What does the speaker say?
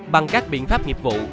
bằng các biện pháp nghiệp vụ